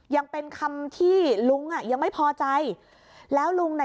ยังเป็นคำที่ลุงอ่ะยังไม่พอใจแล้วลุงน่ะ